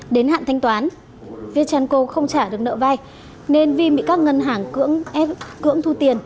đến hạn thanh toán v tranco không trả được nợ vay nên vim bị các ngân hàng cưỡng thu tiền